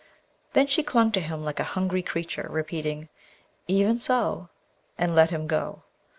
Then she clung to him like a hungry creature, repeating, 'Even so,' and let him go.